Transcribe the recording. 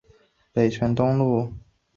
北辰东路将设置隧道南延至奥体商务区。